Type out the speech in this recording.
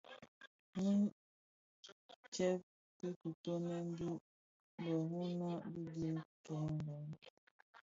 Nnë tsèb ki kitöňèn dhi bi mërōňa di dhi kè gan.